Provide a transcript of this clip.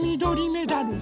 メダル。